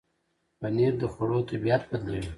پنېر د خوړو طبعیت بدلوي.